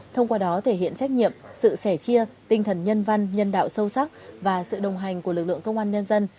thông qua đó thể hiện trách nhiệm sự sẻ chia tinh thần nhân văn nhân đạo sâu sắc và sự đồng hành của lực lượng công an nhân dân